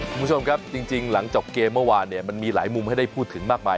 คุณผู้ชมครับจริงหลังจบเกมเมื่อวานเนี่ยมันมีหลายมุมให้ได้พูดถึงมากมาย